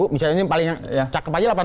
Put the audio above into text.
misalnya ini paling ya cakep aja delapan